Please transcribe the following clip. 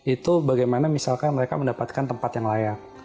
itu bagaimana misalkan mereka mendapatkan tempat yang layak